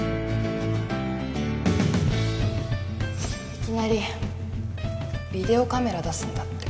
いきなりビデオカメラ出すんだって